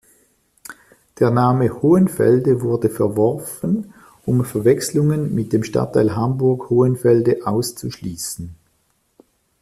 Der Name „Hohenfelde“ wurde verworfen, um Verwechslungen mit dem Stadtteil Hamburg-Hohenfelde auszuschließen.